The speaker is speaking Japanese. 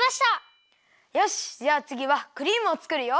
よしじゃあつぎはクリームをつくるよ。